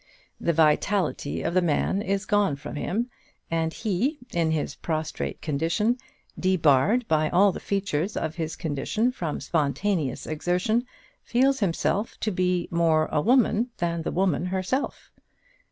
The vitality of the man is gone from him, and he, in his prostrate condition, debarred by all the features of his condition from spontaneous exertion, feels himself to be more a woman than the woman herself.